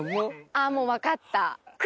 あっもう分かった。